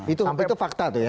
itu fakta tuh ya